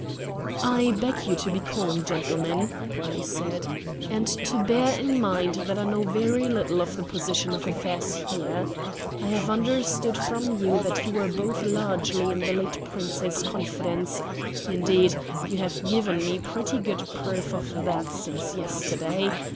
"I beg you to be calm, gentlemen," I said, "and to bear in mind that I know very little of the position of affairs here. I have understood from you that you were both largely in the late Prince's confidence indeed, you have given me pretty good proof of that since yesterday.